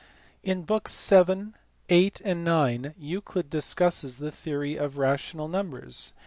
In books vii., viii., and ix. Euclid discusses the theory of rational numbers.